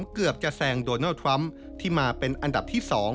เกือบจะแซงโดนัลด์ทรัมป์ที่มาเป็นอันดับที่๒